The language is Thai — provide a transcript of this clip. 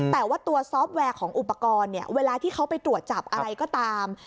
แต่ว่าตัวซอฟต์แวร์ของอุปกรณ์เนี่ยเวลาที่เขาไปตรวจจับอะไรก็ตาม